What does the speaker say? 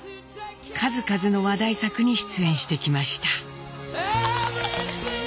数々の話題作に出演してきました。